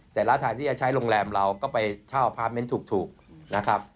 เสร็จแล้วแทนที่จะใช้โรงแรมเราก็ไปเช่าอพาร์ทเมนต์ถูกนะครับ